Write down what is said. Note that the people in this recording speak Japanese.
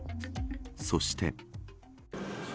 そして。